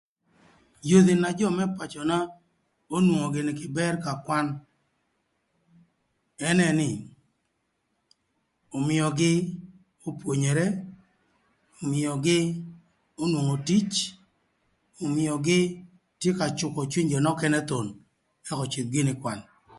Yodhi na jö më pacöna onwongo gïnï kï bër ka kwan ënë nï ömïögï opwonyere, ömïögï onwongo tic, ömïögï tye ka cükö cwiny jö nökënë thon nï ëk öcïdh gïnï ï kwan.